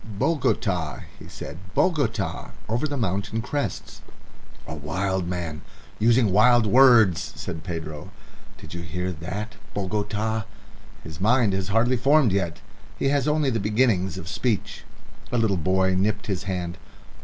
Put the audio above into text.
"Bogota," he said. "Bogota. Over the mountain crests." "A wild man using wild words," said Pedro. "Did you hear that Bogota? His mind is hardly formed yet. He has only the beginnings of speech." A little boy nipped his hand.